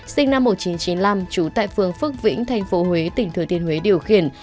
sinh năm một nghìn chín trăm chín mươi năm trú tại phương phước vĩnh thành phố huế tỉnh thừa thiên huế điều khiển